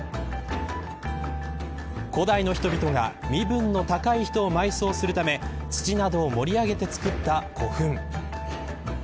古代の人々が身分の高い人を埋葬するため土などを盛り上げて造った古墳。